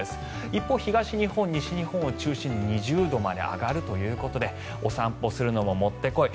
一方、東日本、西日本を中心に２０度まで上がるということでお散歩するのも、もってこい。